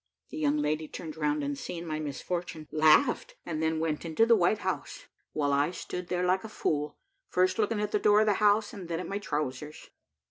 The young lady turned round, and seeing my misfortune, laughed, and then went into the white house, while I stood there like a fool, first looking at the door of the house, and then at my trowsers.